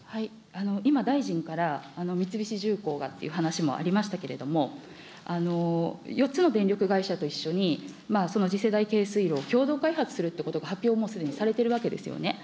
今大臣から、三菱重工がっていう話もありましたけれども、４つの電力会社と一緒にその次世代軽水炉、共同開発するということが発表、もうすでにされているわけですよね。